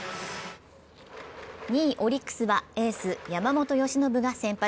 ２位オリックスはエース・山本由伸が先発。